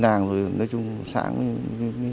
đang chơi khăn cươi